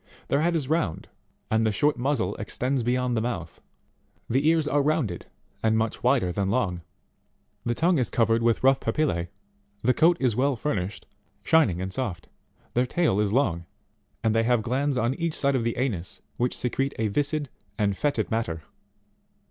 Their head is round and the short muzzle extends be yond the mouth ; the ears are rounded, and much wider than long ; the tongue is covered with rough papillae ; the coat is well furnished, shining and soft; their tail is long, and they have glands on each side of the anus which secrete a viscid and foetid matter.